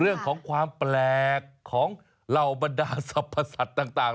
เรื่องของความแปลกของเหล่าบรรดาสรรพสัตว์ต่าง